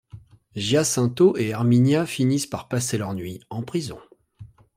Giacinto et Erminia finissent par passer leur nuit en prison.